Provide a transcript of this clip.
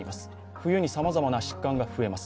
冬にさまざまな疾患が増えます。